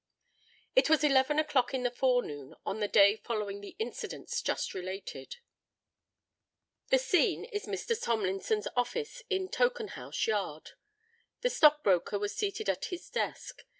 It was eleven o'clock in the forenoon of the day following the incidents just related. The scene is Mr. Tomlinson's office in Tokenhouse Yard. The stock broker was seated at his desk.